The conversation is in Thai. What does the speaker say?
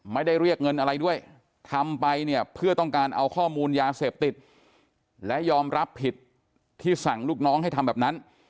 ไม่ได้เรียกเงินอะไรด้วยทำไปเนี่ยเพื่อต้องการเอาข้อมูลยาเสพติดและยอมรับผิดที่สั่งลูกน้องให้ทำแบบนั้น